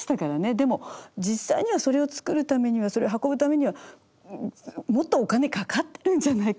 でも実際にはそれを作るためにはそれを運ぶためにはもっとお金かかってるんじゃないか。